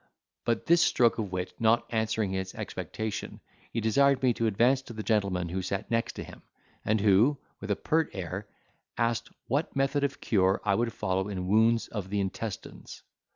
But this stroke of wit not answering his expectation, he desired me to advance to the gentleman who sat next him; and who, with a pert air, asked, what method of cure I would follow in wounds of the intestines.